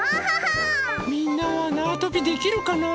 みんなはなわとびできるかな？